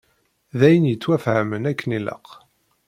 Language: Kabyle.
D ayen yettwafhamen akken ilaq.